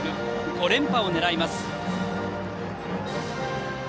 ５連覇を狙います。